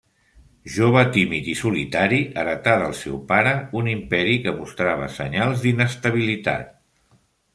Jove tímid i solitari, heretà del seu pare un imperi que mostrava senyals d'inestabilitat.